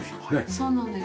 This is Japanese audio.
そうなんです